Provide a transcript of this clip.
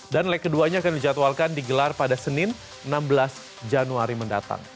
dan leg keduanya akan dijadwalkan digelar pada senin enam belas januari mendatang